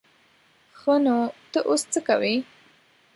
ښه نو ته اوس څه کوې؟